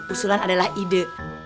usulan adalah ide